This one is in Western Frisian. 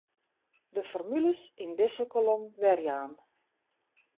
De formules yn dizze kolom werjaan.